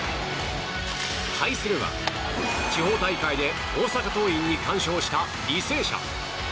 対するは地方大会で大阪桐蔭に完勝した履正社。